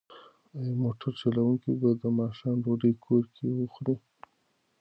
ایا موټر چلونکی به د ماښام ډوډۍ کور کې وخوري؟